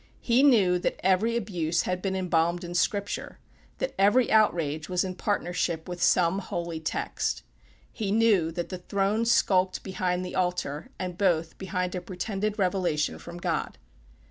He knew that every abuse had been embalmed in Scripture that every outrage was in partnership with some holy text. He knew that the throne skulked behind the altar, and both behind a pretended revelation from God.